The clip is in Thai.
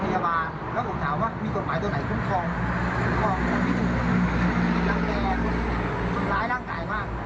สร้างอนาคตเด็กแล้วผมถามว่าอนาคตเด็กผู้ที่จะทำคุณต้องมี